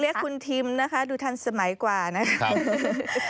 เรียกคุณทิมนะคะดูทันสมัยกว่านะคะ